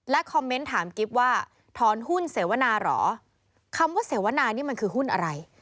คอมเมนต์ถามกิ๊บว่าถอนหุ้นเสวนาเหรอคำว่าเสวนานี่มันคือหุ้นอะไร